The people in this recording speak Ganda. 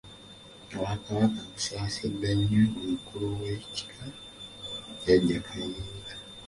Obwakabaka busaasidde nnyo omukulu w'ekika Jjajja Kayiira